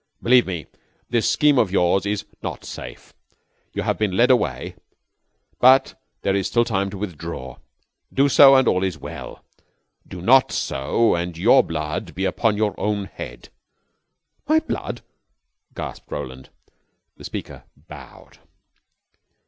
Believe me, this scheme of yours is not safe. You have been led away, but there is still time to withdraw. Do so, and all is well. Do not so, and your blood be upon your own head." "My blood!" gasped Roland. The speaker bowed.